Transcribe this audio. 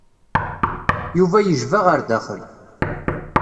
Yuba yejba ɣer daxel.